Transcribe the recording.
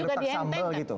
gretak sambel gitu